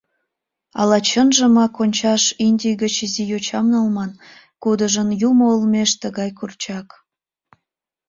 — Ала чынжымак ончаш Индий гыч изи йочам налман, кудыжын Юмо олмеш тыгай курчак.